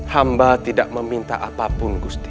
hamba tidak meminta apapun gusti